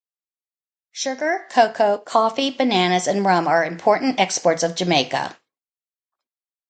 Sugar, cocoa, coffee, bananas, and rum are important exports of Jamaica.